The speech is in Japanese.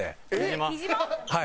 はい。